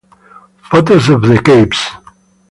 Photos of the caves